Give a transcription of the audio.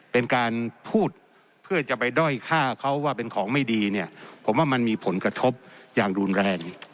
เป็นการพูดเพื่อจะไปด้อยฆ่าเขาว่าเป็นของไม่ดีเนี่ยผมว่ามันมีผลกระทบอย่างรุนแรง